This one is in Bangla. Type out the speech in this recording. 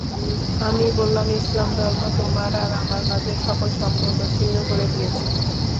আমি বললাম, ইসলাম ধর্ম তোমার আর আমার মাঝের সকল সম্পর্ক ছিন্ন করে দিয়েছে।